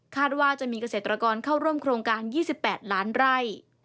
ว่าจะมีเกษตรกรเข้าร่วมโครงการ๒๘ล้านไร่